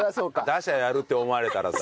出しゃやるって思われたらさ。